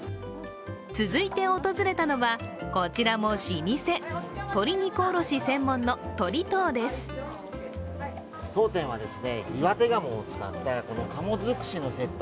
続いて訪れたのはこちらも老舗、鶏肉卸専門の鳥藤です。